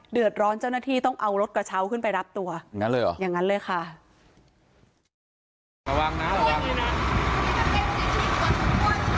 เดือดร้อนเจ้าหน้าที่ต้องเอารถกระเช้าขึ้นไปรับตัวอย่างนั้นเลยเหรออย่างนั้นเลยค่ะ